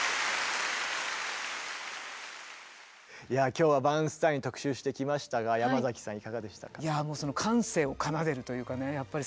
今日はバーンスタイン特集してきましたがヤマザキさんいかがでしたか？